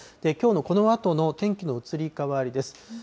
きょうのこのあとの天気の移り変わりです。